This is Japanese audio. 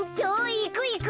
いくいく。